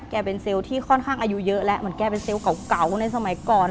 แกเป็นเซลล์ที่ค่อนข้างอายุเยอะแล้วเหมือนแกเป็นเซลล์เก่าในสมัยก่อน